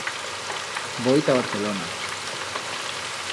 Voi ta Barcelona.